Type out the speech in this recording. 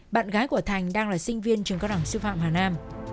bạn gái của thành đang là sinh viên trường cao đẳng sư phạm hà nam